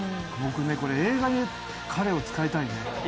僕ねこれ映画で彼を使いたいね。